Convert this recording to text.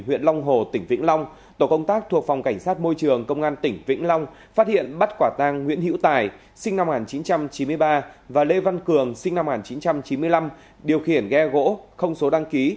huyện long hồ tỉnh vĩnh long tổ công tác thuộc phòng cảnh sát môi trường công an tỉnh vĩnh long phát hiện bắt quả tang nguyễn hiễu tài sinh năm một nghìn chín trăm chín mươi ba và lê văn cường sinh năm một nghìn chín trăm chín mươi năm điều khiển ghe gỗ không số đăng ký